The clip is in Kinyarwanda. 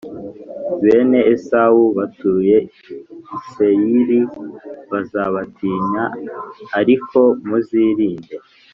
bene esawu,+ batuye i seyiri+ bazabatinya,+ arikomuzirinde